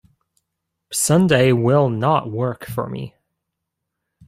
Sunday will not work for me.